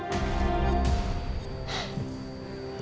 kamu tuh kepo banget tau gak